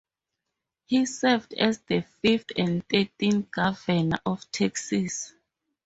He served as the fifth and thirteenth governor of Texas.